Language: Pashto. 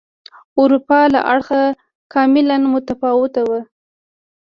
اروپا له اړخه کاملا متفاوته وه.